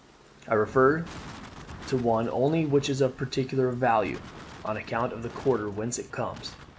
I refer to one only, which is of peculiar value, on account of the quarter whence it comes.